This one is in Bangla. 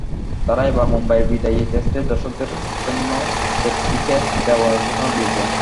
তারা এবার মুম্বাইয়ের বিদায়ী টেস্টের দর্শকদের জন্য ট্যাক্সিক্যাব দেওয়ার ঘোষণা দিয়েছে।